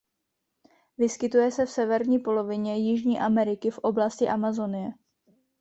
Vyskytuje se v severní polovině Jižní Ameriky v oblasti Amazonie.